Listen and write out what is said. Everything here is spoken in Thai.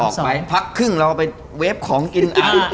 ไปพักครึ่งเราก็ไปเวฟของกิน